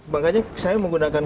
makanya saya menggunakan